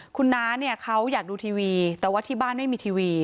คุณน้าเนี่ยเขาอยากดูทีวีแต่ว่าที่บ้านไม่มีทีวี